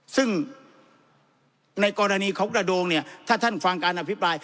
ซึ่งในกรณีของกระโดงเนี่ยถ้าท่านฟังการอภิปราย